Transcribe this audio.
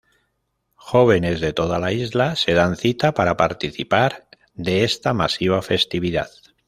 Jóvenes de toda la isla se dan cita para participar de esta masiva festividad.